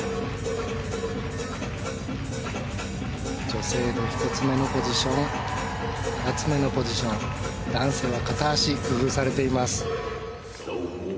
女性の１つ目のポジション２つ目のポジション男性の片足、工夫されています。